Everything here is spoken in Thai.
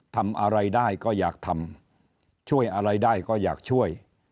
ทำอะไรได้ก็อยากทำช่วยอะไรได้ก็อยากช่วย